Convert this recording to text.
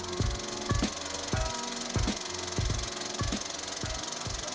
masa menanggap pertunjukan